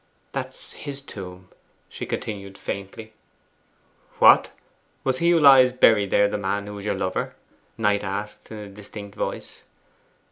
'That's his tomb,' she continued faintly. 'What! was he who lies buried there the man who was your lover?' Knight asked in a distinct voice.